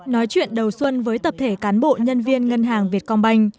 nói chuyện đầu xuân với tập thể cán bộ nhân viên ngân hàng việt công banh